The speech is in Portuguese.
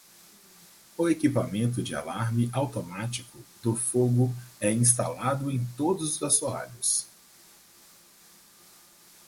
O equipamento de alarme automático do fogo é instalado em todos os assoalhos.